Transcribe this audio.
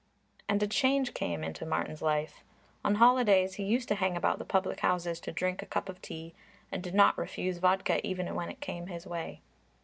And a change came into Martin's life. On holidays he used to hang about the public houses to drink a cup of tea and did not refuse vodka even when it came his way.